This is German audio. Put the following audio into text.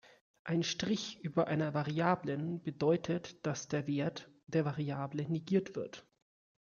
Ein Strich über einer Variablen bedeutet, dass der Wert der Variablen negiert wird.